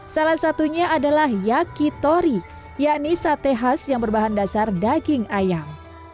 salah satunya adalah yakitori yakni sate khas yang berbahan dasar daging ayam